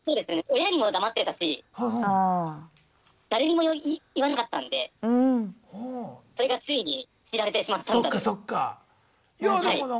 親にも黙ってたし誰にも言わなかったんでそれがついに知られてしまったんだという。